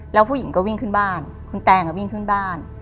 แล้วผู้หญิงก็วิ่งขึ้นบ้านคุณแตงวิ่งขึ้นบ้าน